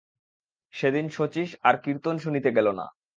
সেদিন শচীশ আর কীর্তন শুনিতে গেল না।